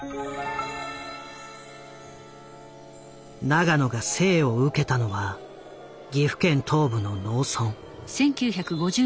永野が生を受けたのは岐阜県東部の農村。